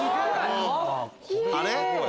あれ？